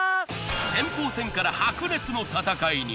先鋒戦から白熱の戦いに。